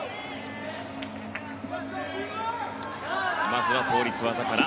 まずは倒立技から。